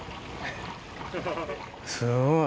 すごい。